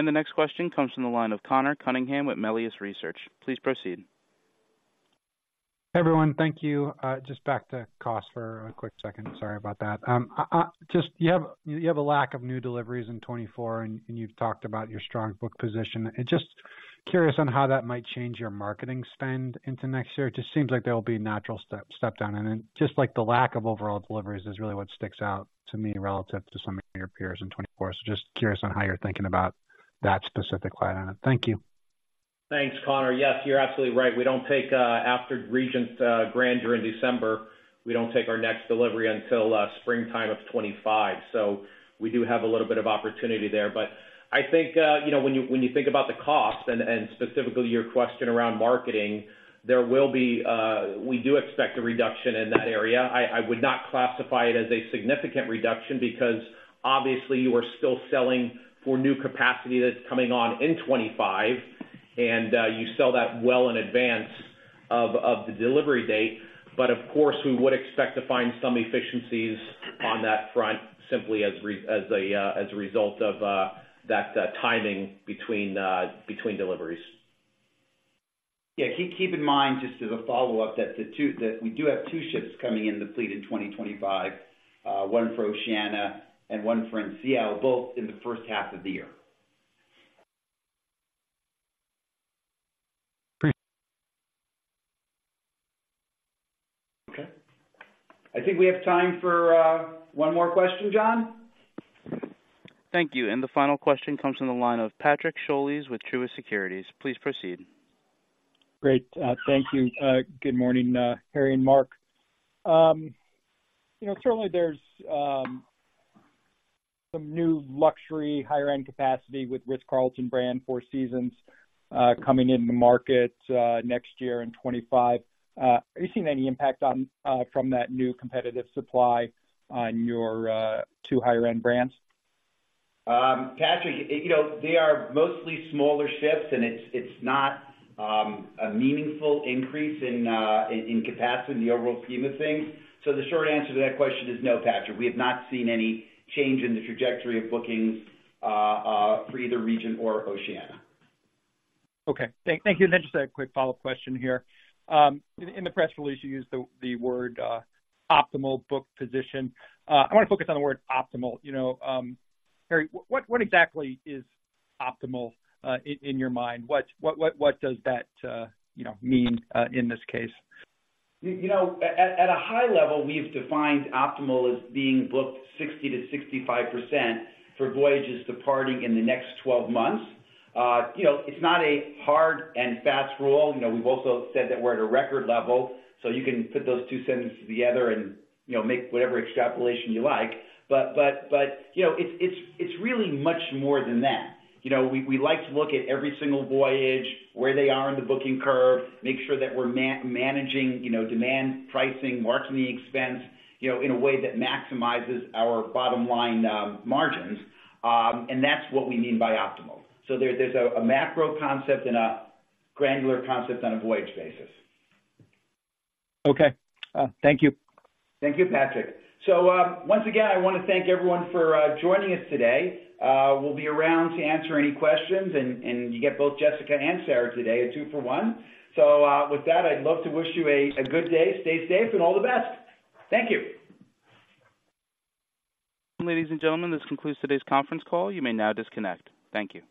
The next question comes from the line of Conor Cunningham with Melius Research. Please proceed. Everyone, thank you. Just back to cost for a quick second. Sorry about that. I just, you have a lack of new deliveries in 2024, and you've talked about your strong book position. Just curious on how that might change your marketing spend into next year. It just seems like there will be a natural step down. Then, just like the lack of overall deliveries is really what sticks out to me relative to some of your peers in 2024. Just curious on how you're thinking about that specific line item. Thank you. Thanks, Conor. Yes, you're absolutely right. We don't take after Regent Grandeur during December, we don't take our next delivery until springtime of 2025. So we do have a little bit of opportunity there. But I think, you know, when you, when you think about the cost and, and specifically your question around marketing, there will be. We do expect a reduction in that area. I, I would not classify it as a significant reduction because obviously you are still selling for new capacity that's coming on in 2025, and, uh, you sell that well in advance of, of the delivery date. But of course, we would expect to find some efficiencies on that front, simply as re- as a, as a result of, that, timing between, between deliveries. Yeah, keep in mind, just as a follow-up, that we do have two ships coming in the fleet in 2025, one for Oceania and one for NCL, both in the first half of the year. Great. Okay. I think we have time for one more question, John? Thank you. The final question comes from the line of Patrick Scholes with Truist Securities. Please proceed. Great. Thank you. Good morning, Harry and Mark. You know, certainly there's some new luxury higher-end capacity with Ritz-Carlton brand, Four Seasons, coming in the market next year in 2025. Are you seeing any impact from that new competitive supply on your two higher-end brands? Patrick, you know, they are mostly smaller ships, and it's not a meaningful increase in capacity in the overall scheme of things. So the short answer to that question is no, Patrick, we have not seen any change in the trajectory of bookings for either Regent or Oceania. Okay. Thank you. And then just a quick follow-up question here. In the press release, you used the word optimal book position. I want to focus on the word optimal. You know, Harry, what exactly is optimal in your mind? What does that, you know, mean in this case? You know, at a high level, we've defined optimal as being booked 60%-65% for voyages departing in the next 12 months. You know, it's not a hard and fast rule. You know, we've also said that we're at a record level, so you can put those two sentences together and, you know, make whatever extrapolation you like. But you know, it's really much more than that. You know, we like to look at every single voyage, where they are in the booking curve, make sure that we're managing, you know, demand, pricing, marketing expense, you know, in a way that maximizes our bottom line, margins. And that's what we mean by optimal. So there's a macro concept and a granular concept on a voyage basis. Okay. Thank you. Thank you, Patrick. So, once again, I want to thank everyone for joining us today. We'll be around to answer any questions, and you get both Jessica and Sarah today, a two for one. So, with that, I'd love to wish you a good day. Stay safe and all the best. Thank you. Ladies and gentlemen, this concludes today's conference call. You may now disconnect. Thank you.